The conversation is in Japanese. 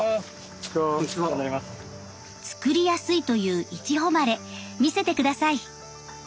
作りやすいといういちほまれ見せて下さい。